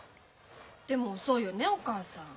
でも遅いよねお母さん。